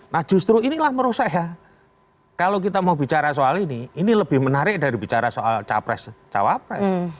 nah justru inilah menurut saya kalau kita mau bicara soal ini ini lebih menarik dari bicara soal capres cawapres